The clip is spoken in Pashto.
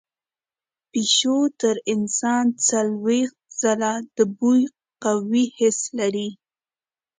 پیشو تر انسان څلوېښت ځله د بوی قوي حس لري.